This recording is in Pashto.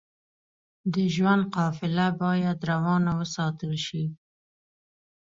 د ژوند قافله بايد روانه وساتل شئ.